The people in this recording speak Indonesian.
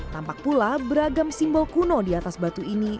tampak pula beragam simbol kuno di atas batu ini